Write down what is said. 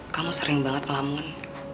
kamu sering banget ngelamun